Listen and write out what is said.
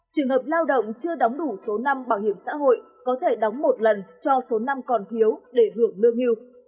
trường hợp lao động chưa đóng đủ số năm bảo hiểm xã hội có thể đóng một lần cho số năm còn thiếu để hưởng lương hưu